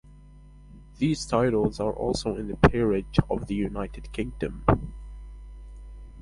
These titles are also in the Peerage of the United Kingdom.